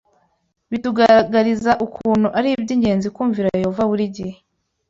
Bitugaragariza ukuntu ari iby’ingenzi kumvira Yehova buri gihe